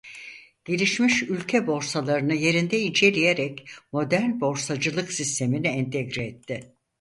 Gelişmiş ülke borsalarını yerinde inceleyerek modern borsacılık sistemini entegre etti.